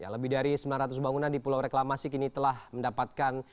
lebih dari sembilan ratus bangunan di pulau reklamasi kini telah mendapatkan